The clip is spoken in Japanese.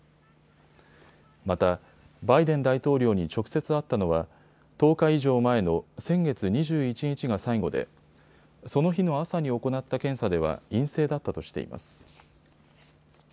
またバイデン大統領に直接会ったのは１０日以上前の先月２１日が最後でその日の朝に行った検査では陰性だったとしています。